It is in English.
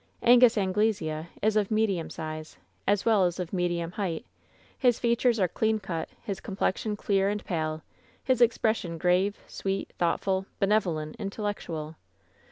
Angus Anglesea is of medium size, as well as of medium height; his features are clean cut, his com plexion clear and pale; his expression grave, sweet, thoughtful, benevolent, intellectual.